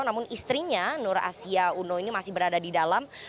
namun istrinya nur asia uno ini masih berada di dalam